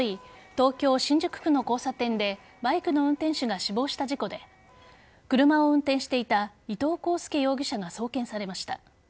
東京・新宿区の交差点でバイクの運転手が死亡した事故で車を運転していた伊東航介容疑者が送検されました。